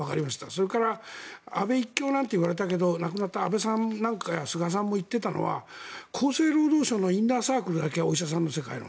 それから安倍一強なんて言われたけど亡くなった安倍さんや菅さんも言っていたのは厚生労働省のインナーサークルだけお医者さんの世界の。